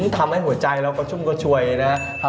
ทำให้หัวใจเรากระชุ่มกระชวยนะครับ